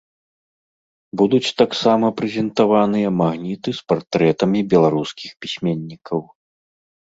Будуць таксама прэзентаваныя магніты з партрэтамі беларускіх пісьменнікаў.